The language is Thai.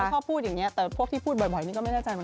เขาพูดอย่างนี้แต่พวกที่พูดบ่อยนี่ก็ไม่น่าจะใจมั้ยคะ